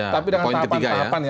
tapi dengan tahapan tahapan ya